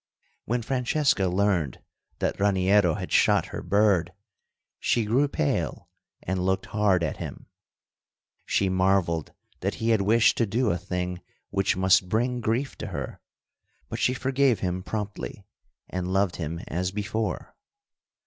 When Francesca learned that Raniero had shot her bird, she grew pale and looked hard at him. She marveled that he had wished to do a thing which must bring grief to her; but she forgave him promptly and loved him as before.